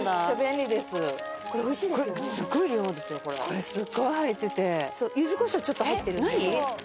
これすごい入ってて。